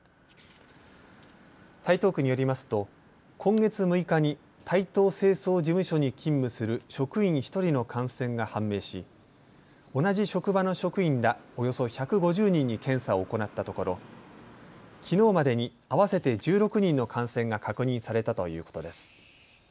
台東区によりますと今月６日に台東清掃事務所に勤務する職員１人の感染が判明し、同じ職場の職員らおよそ１５０人に検査を行ったところきのうまでに合わせて１６人の感染が確認されたということです。